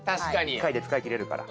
１回で使い切れるから。